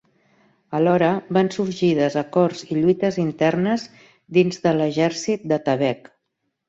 Alhora, van sorgir desacords i lluites internes dins de l'exèrcit d'Atabeg.